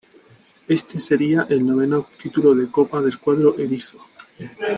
Este sería el noveno titulo de Copa del cuadro "erizo".